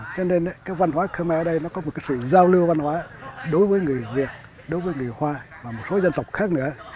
cho nên cái văn hóa khmer ở đây nó có một cái sự giao lưu văn hóa đối với người việt đối với người hoa và một số dân tộc khác nữa